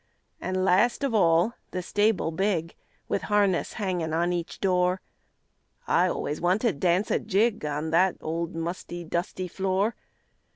An' last of all the stable big, With harness hanging on each door, I always want to dance a jig On that old musty, dusty floor.